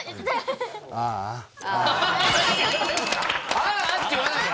「ああ」って言わないで。